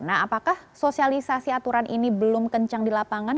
nah apakah sosialisasi aturan ini belum kencang di lapangan